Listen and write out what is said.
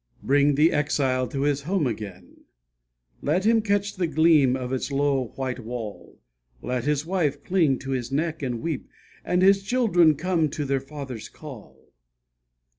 Bring the exile to his home again, Let him catch the gleam of its low white wall; Let his wife cling to his neck and weep, And his children come at their father's call.